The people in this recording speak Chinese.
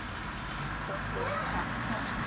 首府为塔布克。